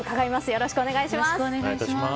よろしくお願いします。